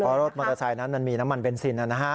เพราะรถมอเตอร์ไซค์นั้นมันมีน้ำมันเบนซิน